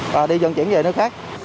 và đi dân chuyển về nước khác